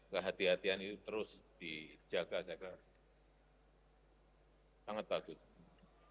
kehatian itu terus dijaga sangat takut karena memang keadanya enggak mudah situasinya tidak mudah